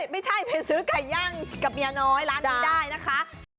ไม่ใช่ไปซื้อไก่ย่างกับเมียน้อยร้านนี้ได้นะคะ